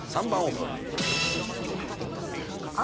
３番オープン。